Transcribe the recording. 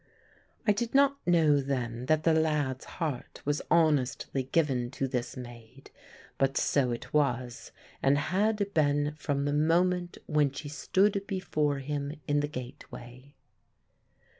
I did not know then that the lad's heart was honestly given to this maid; but so it was, and had been from the moment when she stood before him in the gateway.